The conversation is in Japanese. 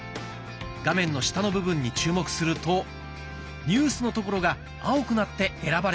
画面の下の部分に注目すると「ニュース」の所が青くなって選ばれています。